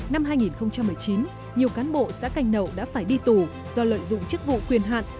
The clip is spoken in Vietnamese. năm hai nghìn một mươi chín nhiều cán bộ xã canh nậu đã phải đi tù do lợi dụng chức vụ quyền hạn